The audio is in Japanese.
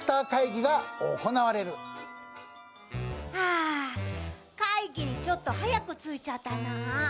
あ、会議よりちょっと早く着いちゃったな。